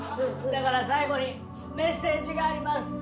だから最後にメッセージがあります。